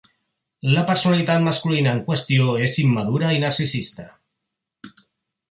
La personalitat masculina en qüestió és immadura i narcisista.